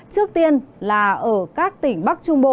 trước tiên là ở các tỉnh bắc trung bộ